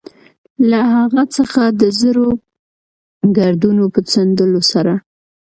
له هغه څخه د زړو ګردونو په څنډلو سره.